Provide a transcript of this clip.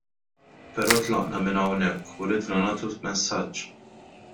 Però tlaqna minn hawnhekk u ridna nagħtu messaġġ.